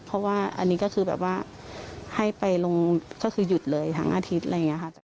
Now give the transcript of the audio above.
เพราะว่าให้ไปลงทั้งอาทิตย์